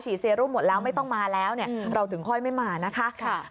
ฉี่เซโร่หมดแล้วไม่ต้องมาแล้วเราถึงค่อยไม่มานะคะ